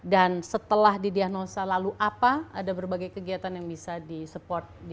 dan setelah didiagnosa lalu apa ada berbagai kegiatan yang bisa disupport